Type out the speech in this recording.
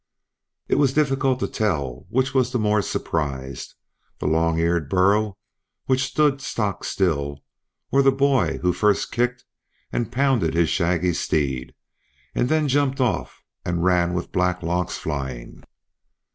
It was difficult to tell which was the more surprised, the long eared burro, which stood stock still, or the boy, who first kicked and pounded his shaggy steed, and then jumped off and ran with black locks flying.